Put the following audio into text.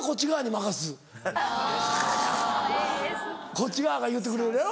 こっち側が言うてくれるやろ？